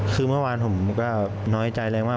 คือเมื่อวานผมก็น้อยใจแรงมาก